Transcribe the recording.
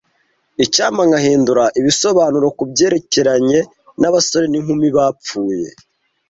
Icyampa nkahindura ibisobanuro kubyerekeranye nabasore n'inkumi bapfuye,